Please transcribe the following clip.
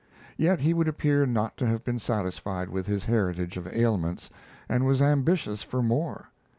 Yet he would appear not to have been satisfied with his heritage of ailments, and was ambitious for more.